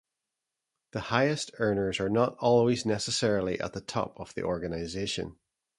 The highest earners are not always necessarily at the 'top' of the organization.